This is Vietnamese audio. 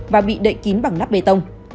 và bị đậy kín bằng nắp bê tông